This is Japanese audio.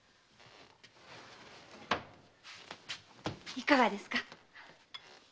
いかがですか？